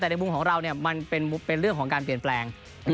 แต่ในมุมของเรามันเป็นเรื่องของการเปลี่ยนแปลง